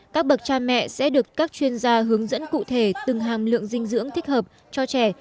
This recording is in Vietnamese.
các bậc cha mẹ sẽ được các chuyên gia hướng dẫn cụ thể từng hàm lượng dinh dưỡng thích hợp cho trẻ